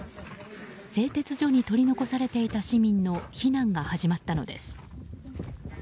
製鉄所に取り残されていた市民の避難が始まったのです。